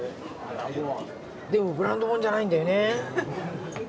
でもブランド物じゃないんだよね。